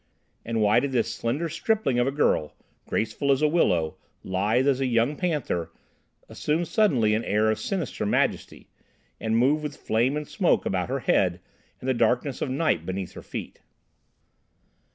And why did this slender stripling of a girl, graceful as a willow, lithe as a young leopard, assume suddenly an air of sinister majesty, and move with flame and smoke about her head, and the darkness of night beneath her feet?